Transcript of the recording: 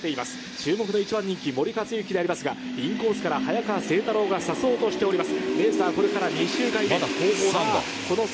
注目の１番人気、森且行でありますが、インコースから早川せいたがさそうとしております。